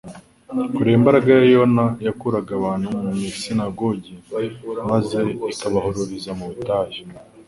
kubera imbaraga ya Yohana yakuraga abantu mu masinagogi maze ikabahururiza mu butayu ;